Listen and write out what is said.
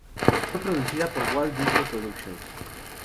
Fue producida por Walt Disney Productions.